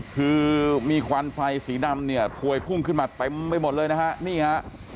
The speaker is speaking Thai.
คือมีควันไฟสีดำเนี่ยพวยพุ่งขึ้นมาเต็มไปหมดเลยนะฮะนี่ฮะ